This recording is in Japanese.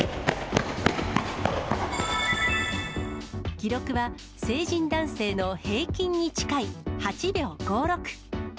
記録は成人男性の平均に近い８秒５６。